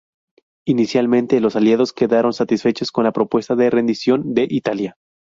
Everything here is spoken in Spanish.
Inicialmente, los Aliados quedaron satisfechos con la propuesta de rendición de Italia.